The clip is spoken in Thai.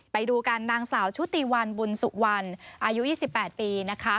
ไปดูกันนางสาวชุติวันบุญสุวรรณอายุ๒๘ปีนะคะ